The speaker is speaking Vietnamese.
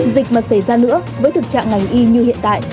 dịch mà xảy ra nữa với thực trạng ngành y như hiện tại